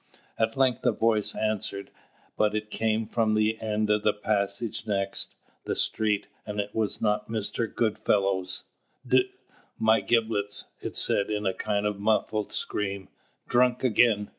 At length a voice answered; but it came from the end of the passage next, the street, and it was not Mr. Goodfellow's. "D n my giblets!" it said, in a kind of muffled scream. "Drunk again!